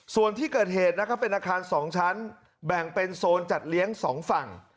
ส่วนที่เกิดเหตุนะครับเป็นอาคาร๒ชั้นแบ่งเป็นโซนจัดเลี้ยง๒ฝั่ง